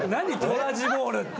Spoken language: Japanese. トラジボールって。